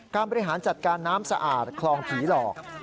บริหารจัดการน้ำสะอาดคลองผีหลอก